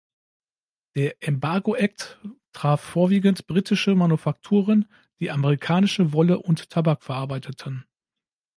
Der Embargo Act traf vorwiegend britische Manufakturen, die amerikanische Wolle und Tabak verarbeiteten.